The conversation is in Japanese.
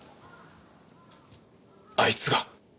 あいつが？